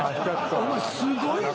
お前すごいぞ。